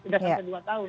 tidak sampai dua tahun